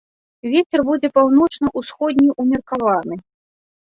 Вецер будзе паўночна-ўсходні ўмеркаваны.